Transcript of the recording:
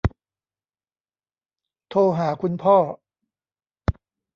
โทรหาคุณพ่อ